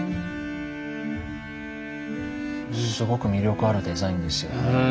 すごく魅力あるデザインですよね。